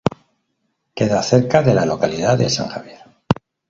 Queda cerca de la localidad de San Javier.